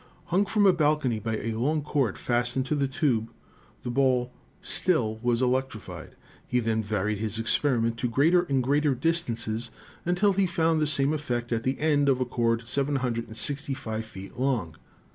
Hung from a balcony by a long cord fastened to the tube the ball still was electrified. He then varied his experiment to greater and greater distances, until he found the same effect at the end of a cord 765 feet long.